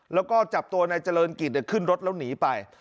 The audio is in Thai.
แล้วก็จับตัวนายเจริญกิจขึ้นรถแล้วหนีไป